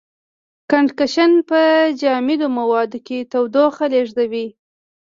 کنډکشن په جامدو موادو کې تودوخه لېږدوي.